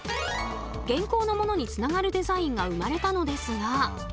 現行のものにつながるデザインが生まれたのですが。